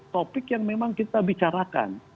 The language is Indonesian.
topik yang memang kita bicarakan